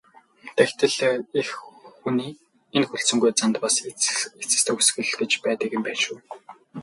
Тэгтэл эх хүний энэ хүлцэнгүй занд бас эцэс төгсгөл гэж байдаг байна шүү.